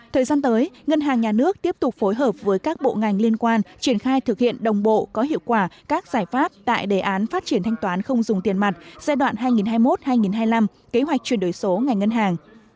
thời gian tới ngân hàng nhà nước tiếp tục phối hợp với các bộ ngành liên quan triển khai thực hiện đồng bộ có hiệu quả các giải pháp tại đề án phát triển thanh toán không dùng tiền mặt giai đoạn hai nghìn hai mươi một hai nghìn hai mươi năm kế hoạch chuyển đổi số ngành ngân hàng